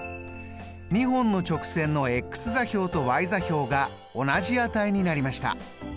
２本の直線の座標とｙ座標が同じ値になりました。